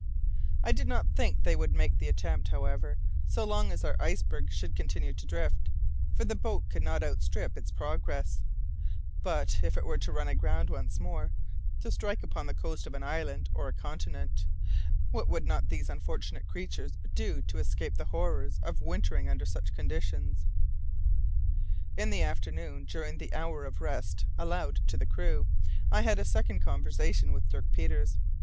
I did not think they would make the attempt, however, so long as our iceberg should continue to drift, for the boat could not outstrip its progress; but, if it were to run aground once more, to strike upon the coast of an island or a continent, what would not these unfortunate creatures do to escape the horrors of wintering under such conditions? In the afternoon, during the hour of rest allowed to the crew, I had a second conversation with Dirk Peters.